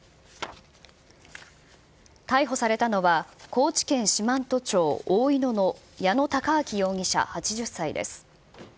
逮捕されたのは、高知県四万十町おおいのの矢野孝昭容疑者８０歳です。